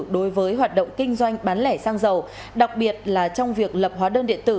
đối với hoạt động kinh doanh bán lẻ xăng dầu đặc biệt là trong việc lập hóa đơn điện tử